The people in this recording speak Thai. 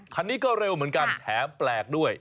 คันนี้ก็เร็วเหมือนกันแถมแปลกด้วย